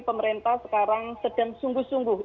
pemerintah sekarang sedang sungguh sungguh